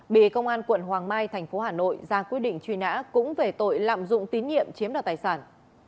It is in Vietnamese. bị công an quận hoàng mai thành phố hà nội ra quyết định truy nã cũng về tội lạm dụng tín nhiệm chiếm đoạt tài sản